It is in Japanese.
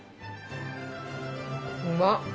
うまっ！